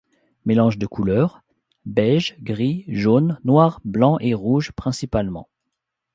Mélange de couleur: beige, gris, jaune, noir, blanc et rouge principalement.